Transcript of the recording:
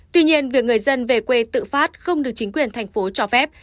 tuy nhiên việc người dân về quê tự phát không được chính quyền thành phố cho phép